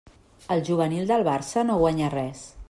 El juvenil del Barça no guanya res.